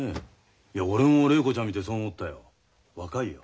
いや俺も礼子ちゃん見てそう思ったよ若いよ。